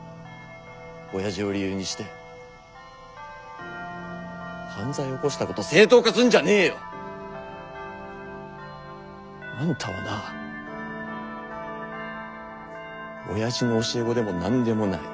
親父を理由にして犯罪起こしたこと正当化すんじゃねえよ！あんたはな親父の教え子でも何でもない。